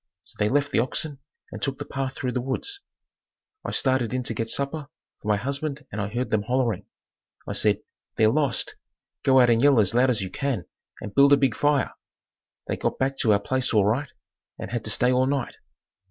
So they left the oxen and took the path through the woods. I started in to get supper for my husband and I heard them hollering. I said, "They're lost. Go out and yell as loud as you can and build a big fire." They got back to our place all right and had to stay all night.